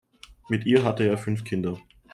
Mit ihr hatte er fünf Kinder.